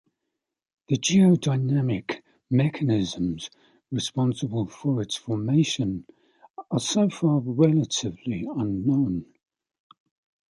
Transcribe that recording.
The geodynamic mechanisms responsible for its formation are so far relatively unknown.